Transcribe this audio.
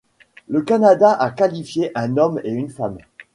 Le Canada a qualifié un homme et une femme.